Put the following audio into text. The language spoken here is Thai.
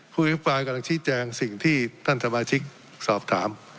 ผู้อภิปรายกำลังชี้แจงสิ่งที่ท่านสมาชิกสอบถาม